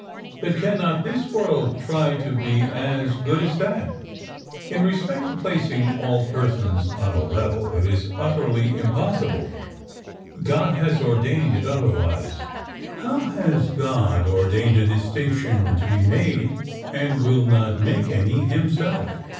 But cannot this world try to be as good as that?" "In respect to placing all persons on a level, it is utterly impossible. God has ordained it otherwise." "How! has God ordained a distinction to be made, and will not make any Himself?"